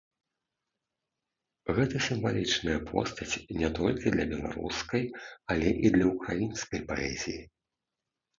Гэта сімвалічная постаць не толькі для беларускай, але і для ўкраінскай паэзіі.